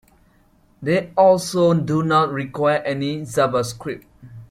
They also do not require any JavaScript.